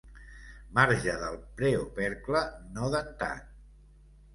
Marge del preopercle no dentat.